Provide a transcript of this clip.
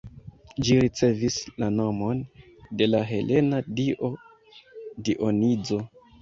Ĝi ricevis la nomon de la helena dio Dionizo.